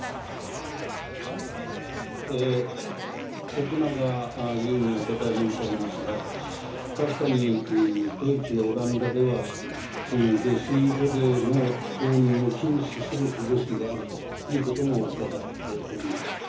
徳永委員にお答え申し上げますが、確かにドイツやオランダでは、この下水汚泥の投入を禁止する動きがあるということも伺っております。